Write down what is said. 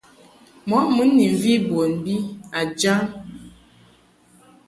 Mɔ mun ni mvi bon bi a jam.